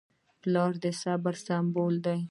پلار د صبر سمبول دی.